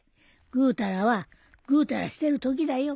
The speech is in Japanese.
ぐうたらはぐうたらしてるときだよ。